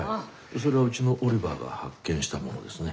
それはうちのオリバーが発見したものですね。